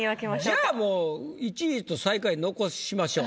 じゃあもう１位と最下位残しましょう。